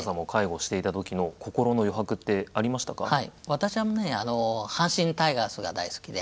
私はね阪神タイガースが大好きで。